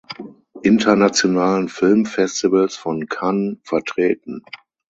Internationalen Filmfestivals von Cannes vertreten.